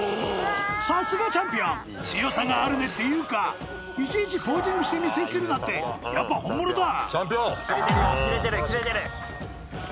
さすがチャンピオン強さがあるねっていうかいちいちポージングして見せつけるなんてやっぱ本物だキレてるよキレてる！